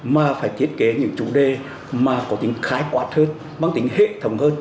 mà phải thiết kế những chủ đề mà có tính khái quạt hơn bằng tính hệ thống hơn